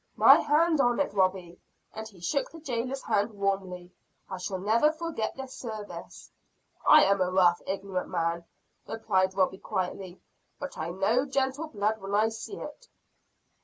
"My hand on it, Robie!" and he shook the jailer's hand warmly. "I shall never forget this service." "I am a rough, ignorant man," replied Robie quietly; "but I know gentle blood when I see it."